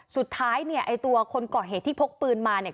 สุดท้ายเนี่ยไอ้ตัวคนก่อเหตุที่พกปืนมาเนี่ย